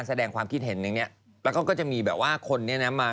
เอาด่าก็อีกเอาเงิน